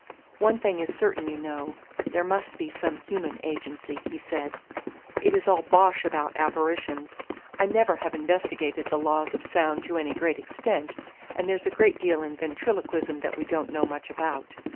"One thing is certain, you know; there must be some human agency," he said. "It is all bosh about apparitions. I never have investigated the laws of sound to any great extent, and there's a great deal in ventriloquism that we don't know much about."